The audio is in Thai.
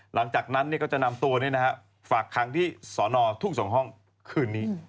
หลังจากนั้นก็จะนำตัวฝากคังที่สอนอทุ่ง๒ห้องคืนนี้